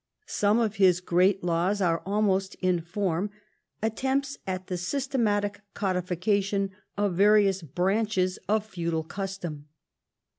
Some of his great laws are almost in form attempts at the systematic codification of various branches of feudal custom.